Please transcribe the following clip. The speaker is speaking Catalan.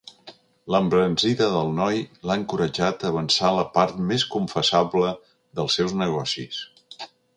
L'embranzida del noi l'ha encoratjat a avançar la part més confessable dels seus negocis.